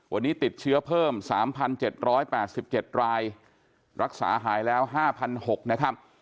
วันนี้ติดเชื้อเพิ่มสามพันเจ็ดร้อยแปดสิบเจ็ดรายรักษาหายแล้วห้าพันหกนะครับ